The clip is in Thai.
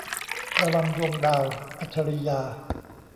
ระบำดวงดาว - อัจฉรียา